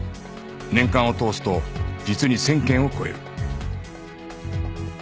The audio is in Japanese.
年間を通すと実に１０００件を超える